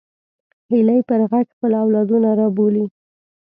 هیلۍ پر غږ خپل اولادونه رابولي